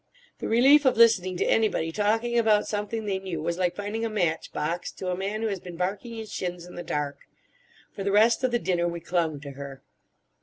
The relief of listening to anybody talking about something they knew was like finding a match box to a man who has been barking his shins in the dark. For the rest of the dinner we clung to her.